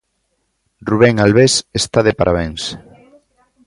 Rubén Albés está de parabéns.